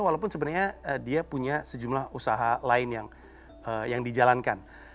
walaupun sebenarnya dia punya sejumlah usaha lain yang dijalankan